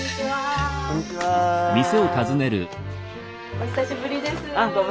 お久しぶりです。